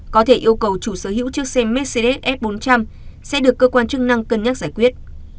có thể yêu cầu chủ sở hữu chiếc xe mercedes f bốn trăm linh sẽ được cơ quan chức năng cân nhắc giải quyết